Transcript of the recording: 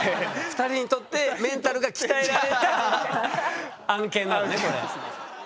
２人にとってメンタルが鍛えられた案件なのねこれ。